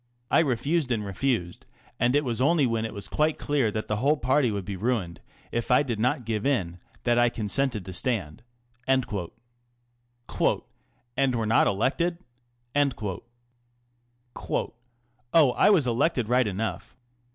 I refused and refused, and it was only when it was quite clear that the whole party would be ruined if I did not give in that I consented to stand." " And were not elected ?"" Oh, I was elected right enough.